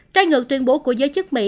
trai ngược tuyên bố của giới chức mỹ